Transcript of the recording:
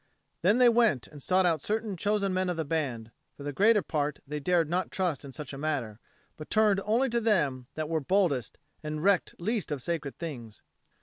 Then they went and sought out certain chosen men of the band; for the greater part they dared not trust in such a matter, but turned only to them that were boldest and recked least of sacred things.